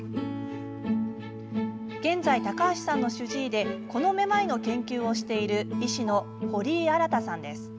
現在高橋さんの主治医でこのめまいの研究をしている医師の堀井新さんです。